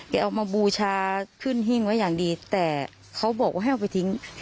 เอามาบูชาขึ้นหิ้งไว้อย่างดีแต่เขาบอกว่าให้เอาไปทิ้ง